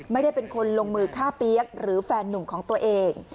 ไม่ได้เป็นคนลงมือฆ่าเปี๊ยกหรือแฟนนุ่มของตัวเอง